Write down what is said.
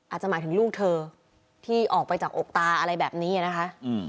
อาจจะหมายถึงลูกเธอที่ออกไปจากอกตาอะไรแบบนี้นะคะ